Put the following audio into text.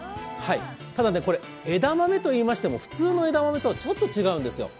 ただ枝豆といいましても普通の枝豆とはちょっと違うんですよ。